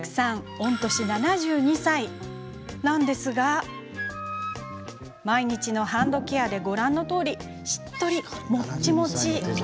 御年７２歳なんですが毎日のハンドケアでご覧のとおりしっとりもちもち。